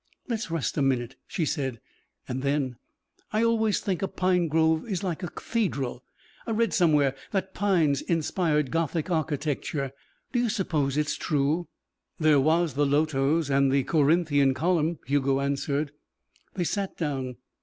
"Let's rest a minute," she said. And then: "I always think a pine grove is like a cathedral. I read somewhere that pines inspired Gothic architecture. Do you suppose it's true?" "There was the lotos and the Corinthian column," Hugo answered. They sat down.